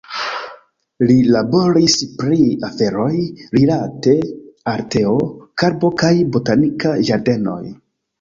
Li laboris pri aferoj rilate al teo, karbo kaj botanikaj ĝardenoj.